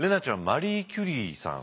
マリー・キュリーさん